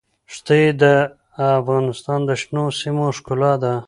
ښتې د افغانستان د شنو سیمو ښکلا ده.